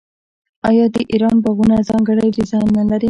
آیا د ایران باغونه ځانګړی ډیزاین نلري؟